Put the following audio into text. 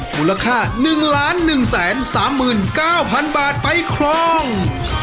มูลค่า๑๑๓๙๐๐๐บาทไปครอง